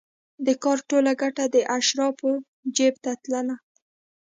د کار ټوله ګټه د اشرافو جېب ته تلله.